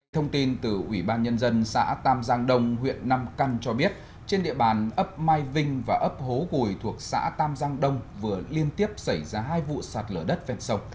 thông tin từ ủy ban nhân dân xã tam giang đông huyện nam căn cho biết trên địa bàn ấp mai vinh và ấp hố gùi thuộc xã tam giang đông vừa liên tiếp xảy ra hai vụ sạt lở đất ven sông